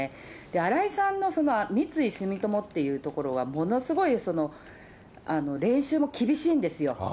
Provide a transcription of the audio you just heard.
新井さんの三井住友っていうところはものすごい練習も厳しいんですよ。